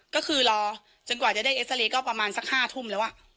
ก็คือรอจนกว่าจะได้เอ็กซาเรย์ก็ประมาณสัก๕ทุ่มแล้ว